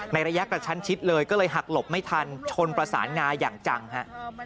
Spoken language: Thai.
ระยะกระชั้นชิดเลยก็เลยหักหลบไม่ทันชนประสานงาอย่างจังฮะ